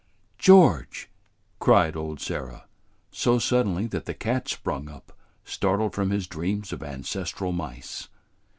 "George!" cried old Sarah, so suddenly that the cat sprang up, startled from his dreams of ancestral mice.